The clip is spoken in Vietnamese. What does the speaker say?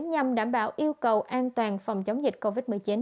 nhằm đảm bảo yêu cầu an toàn phòng chống dịch covid một mươi chín